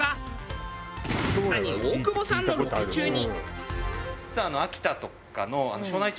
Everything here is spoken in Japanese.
更に大久保さんのロケ中に。